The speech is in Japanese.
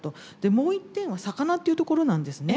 もう一点は魚っていうところなんですね。